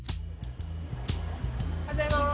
おはようございます。